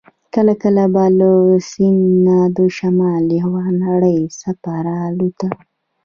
کله کله به له سیند نه د شمال یوه نرۍ څپه را الوته.